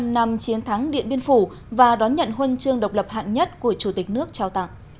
bảy mươi năm năm chiến thắng điện biên phủ và đón nhận huân chương độc lập hạng nhất của chủ tịch nước trao tặng